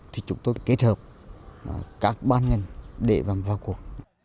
thì chúng tôi kết hợp các ban ngành để vào cuộc